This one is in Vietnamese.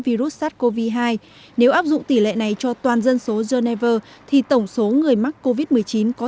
virus sars cov hai nếu áp dụng tỷ lệ này cho toàn dân số geneva thì tổng số người mắc covid một mươi chín có